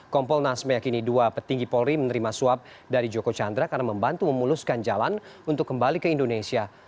kompolnas meyakini dua petinggi polri menerima suap dari joko chandra karena membantu memuluskan jalan untuk kembali ke indonesia